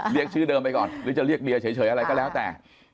เรียกชื่อเดิมไปก่อนหรือจะเรียกเดียเฉยอะไรก็แล้วแต่